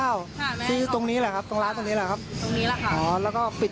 แล้วทีแม่ลงมาอ๋อแล้วสักครั้งถึงมีเสียงลด